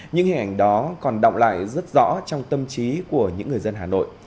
những hình ảnh đó còn động lại rất rõ trong tâm trí của những người dân hà nội